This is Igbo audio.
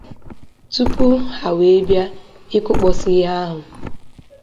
tupu ha wee bịa ịkụkpọsị ihe ahụ